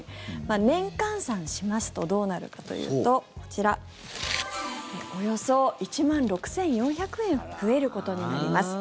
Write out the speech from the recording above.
年換算するとどうなるかというとこちら、およそ１万６４００円増えることになります。